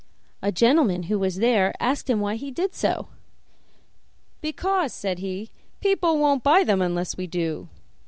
A gentleman who was there asked him why he did so. 'Because,' said he, 'people won't buy them unless we do.